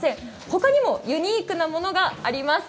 他にもユニークなものがあります。